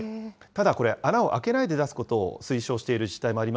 ただ、これ、穴をあけないで出すことを推奨している自治体もあり